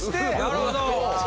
なるほど！